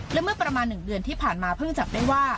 และเมื่อประมาณ๑เดือนที่ผ่านมาเพิ่งจับได้ว่า